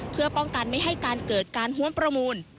เพื่อป้องกันไม่ให้การเกิดการหวนประมูล